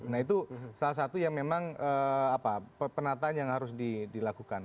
nah itu salah satu yang memang penataan yang harus dilakukan